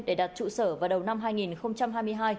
để đặt trụ sở vào đầu năm hai nghìn hai mươi hai